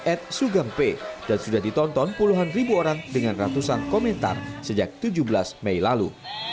at sugeng p dan sudah ditonton puluhan ribu orang dengan ratusan komentar sejak tujuh belas mei lalu